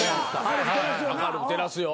明るく照らすよ。